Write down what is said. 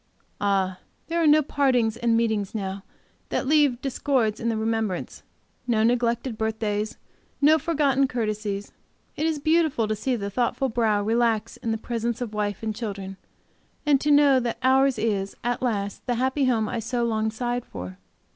Ah, there are no partings and meetings now that leave discords in the remembrance, no neglected birthdays, no forgotten courtesies. It is beautiful to see the thoughtful brow relax in presence of wife and children, and to know that ours is, at last, the happy home I so long sighed for.